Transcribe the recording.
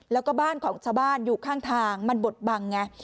แล้วก็บ้านของชาวบ้านอยู่ข้างทางมันบดบังไง